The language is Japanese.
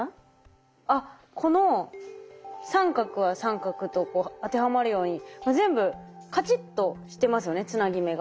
あっこの三角は三角と当てはまるように全部カチッとしてますよねつなぎ目が。